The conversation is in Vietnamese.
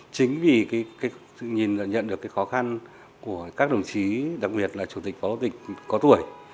chính vì nhận được cái khó khăn của các đồng chí đặc biệt là chủ tịch phó tịch có tuổi